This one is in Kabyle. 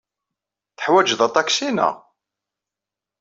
Teḥwajed aṭaksi, naɣ?